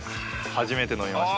初めて飲みました。